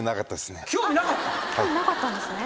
興味なかったですね。